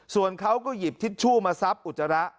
ส่วนเขาก็หยิบทิชชู่มาซับอุจจาระ